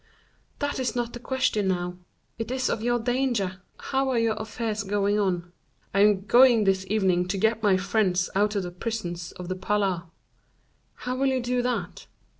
"That is not the question now; it is of your danger; how are your affairs going on?" "I am going this evening to get my friends out of the prisons of the Palais." "How will you do that?"